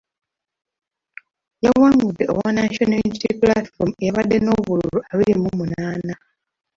Yawangude owa National Unity Platform eyabadde n’obululu abiri mu munaana.